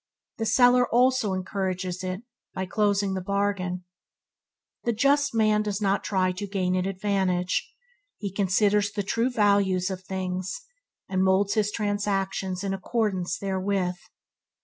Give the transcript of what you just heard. The seller also encourages it by closing the bargain. The just man does not try to gain an advantage; he considers the true values of things, and moulds his transactions in accordance therewith.